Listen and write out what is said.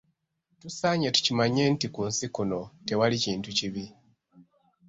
Tusaanye tukimanye nti ku nsi kuno tewali kintu kibi.